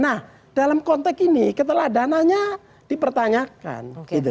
nah dalam konteks ini keteladanannya dipertanyakan